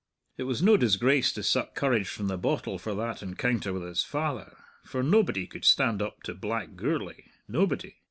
It was no disgrace to suck courage from the bottle for that encounter with his father, for nobody could stand up to black Gourlay nobody.